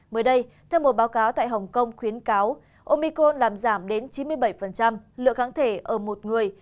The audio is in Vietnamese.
mới đây theo một báo cáo tại hồng kông khuyến cáo omico làm giảm đến chín mươi bảy lượng kháng thể ở một người